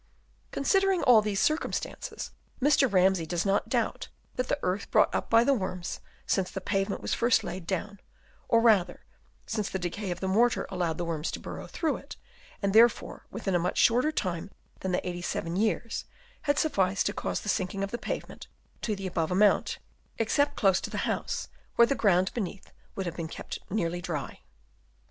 Con sidering all these circumstances, Mr. Ramsay does not doubt that the earth brought up by the worms since the pavement was first laid down, or rather since the decay of the mortar allowed the worms to burrow through it, and therefore within a much shorter time than the eighty seven years, has sufficed to cause the sinking of the pavement to the above amount, except close to the house, where the ground beneath would have been kept nearly dry.